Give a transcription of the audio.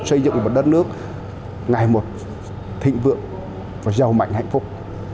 xây dựng một đất nước ngày một thịnh vượng và giàu mạnh hạnh phúc